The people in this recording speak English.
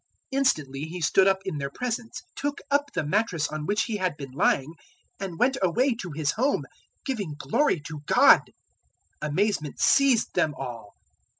005:025 Instantly he stood up in their presence, took up the mattress on which he had been lying, and went away to his home, giving glory to God. 005:026 Amazement seized them all.